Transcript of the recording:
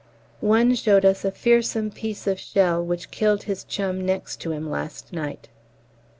One showed us a fearsome piece of shell which killed his chum next to him last night.